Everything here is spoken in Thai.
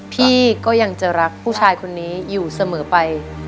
พี่ก็ยังจะรักผู้ชายคนนี้อยู่เสมอไป